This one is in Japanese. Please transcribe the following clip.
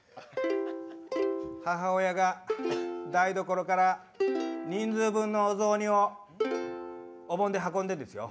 母親が、台所から人数分のお雑煮をお盆で運んでるんですよ。